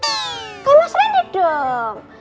kayak mas lendi dong